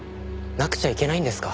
なくちゃいけないんですか？